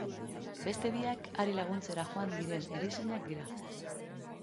Beste biak hari laguntzera joan diren erizainak dira.